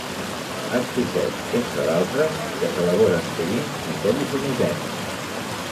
Exigeix, entre d'altres, que s'elaboren seguint criteris homogenis.